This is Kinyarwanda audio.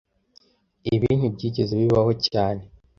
Ibi ntibyigeze bibaho cyane